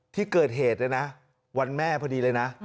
ที่เกิดเหตุเนี่ยนะวันแม่พอดีเลยนะ